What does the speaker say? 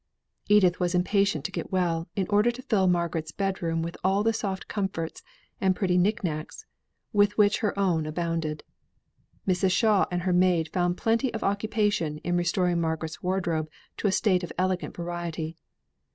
Edith was impatient to get well, in order to fill Margaret's bed room with all the soft comforts, and pretty knick knacks, with which her own abounded. Mrs. Shaw and her maid found plenty of occupation in restoring Margaret's wardrobe to a state of elegant variety.